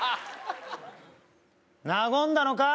和んだのか？